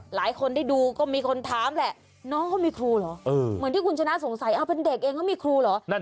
หลายคนได้ดูก็มีคนถามแหละน้องเขามีครูเหรอเหมือนที่คุณชนะสงสัยเอาเป็นเด็กเองเขามีครูเหรอ